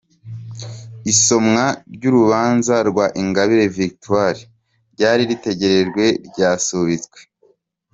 Isomwa ry’urubanza rwa Ingabire Victoire ryari ritegerejwe ryasubitswe